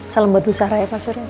salam buat usaha raya pak surya